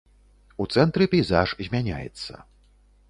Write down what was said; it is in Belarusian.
У цэнтры пейзаж змяняецца.